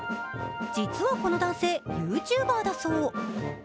実は、この男性ＹｏｕＴｕｂｅｒだそう。